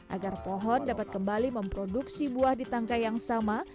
agar pohon dapat kembali memproduksi buah di tangkai yang sama